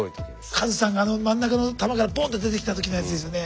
カズさんがあの真ん中の玉からボンッて出てきた時のやつですよね。